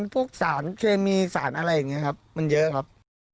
พวกสารเคมีสารอะไรอย่างนี้ครับมันเยอะครับ